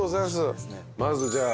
まずじゃあ。